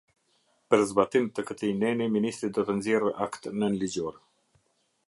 Për zbatim të këtij neni Ministri do të nxjerrë akt nënligjor.